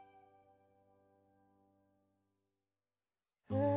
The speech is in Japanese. うん。